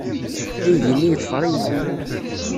Aydi-nni yeḍfer-iyi.